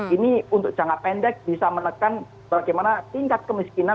ini untuk jangka pendek bisa menekan bagaimana tingkat kemiskinan